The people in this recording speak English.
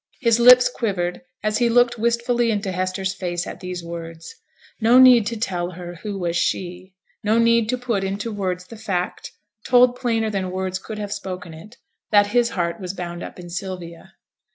His lips quivered as he looked wistfully into Hester's face at these words. No need to tell her who was she. No need to put into words the fact, told plainer than words could have spoken it, that his heart was bound up in Sylvia.